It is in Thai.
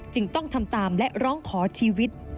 จึงต้องทำตามและร้องขอชีวิต